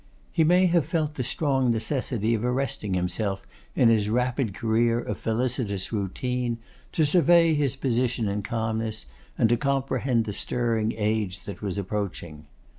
He may have felt the strong necessity of arresting himself in his rapid career of felicitous routine, to survey his position in calmness, and to comprehend the stirring age that was approaching.